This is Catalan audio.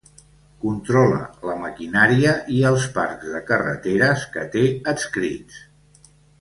Controla la maquinària i els parcs de carreteres que té adscrits.